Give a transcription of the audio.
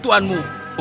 untuk membantu kamu